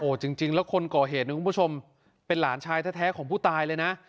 จริงแล้วคนก่อเหตุนะคุณผู้ชมเป็นหลานชายแท้ของผู้ตายเลยนะ